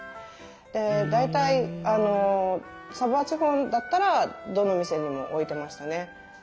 で大体サヴォワ地方だったらどの店にも置いてましたね。